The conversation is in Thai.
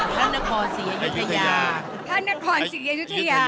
พระอาณาคฉียายุทธิยา